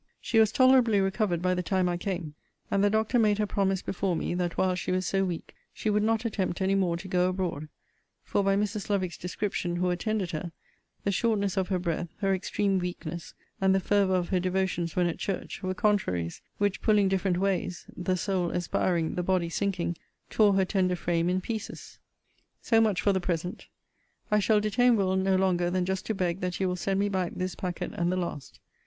She was tolerably recovered by the time I cane; and the doctor made her promise before me, that, while she was so weak, she would not attempt any more to go abroad; for, by Mrs. Lovick's description, who attended her, the shortness of her breath, her extreme weakness, and the fervour of her devotions when at church, were contraries, which, pulling different ways (the soul aspiring, the body sinking) tore her tender frame in pieces. So much for the present. I shall detain Will. no longer than just to beg that you will send me back this packet and the last.